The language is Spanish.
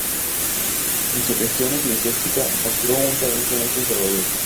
En su gestión eclesiástica mostró un talante muy conservador.